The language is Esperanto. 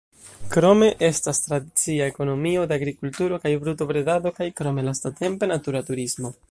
Krome estas tradicia ekonomio de agrikulturo kaj brutobredado kaj krome lastatempe natura turismo.